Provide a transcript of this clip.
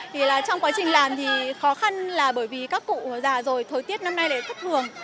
thì trong quá trình làm thì khó khăn là bởi vì các cụ già rồi thời tiết năm nay thất thường